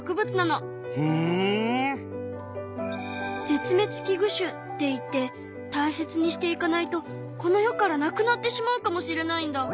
絶滅危惧種っていって大切にしていかないとこの世からなくなってしまうかもしれないんだ。